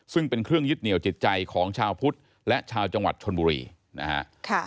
ซึ่งเป็นเครื่องยึดเหนียวจิตใจของชาวพุทธและชาวจังหวัดชนบุรีนะฮะ